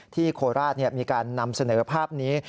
โคราชมีการนำเสนอภาพนี้